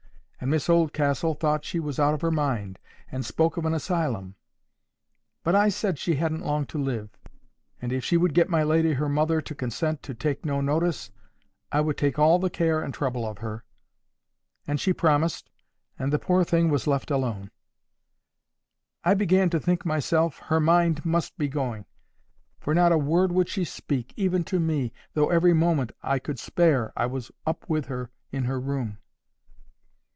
And Miss Oldcastle thought she was out of her mind, and spoke of an asylum. But I said she hadn't long to live, and if she would get my lady her mother to consent to take no notice, I would take all the care and trouble of her. And she promised, and the poor thing was left alone. I began to think myself her mind must be going, for not a word would she speak, even to me, though every moment I could spare I was up with her in her room.